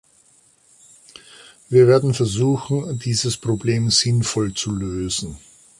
Wir werden versuchen, dieses Problem sinnvoll zu lösen.